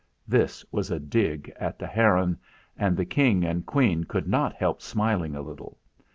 This was a dig at the heron, and the King and Queen could not help smiling a little.